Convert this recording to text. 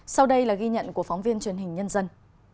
sau đây là ghi nhận của phóng viên truyền hình nhân dân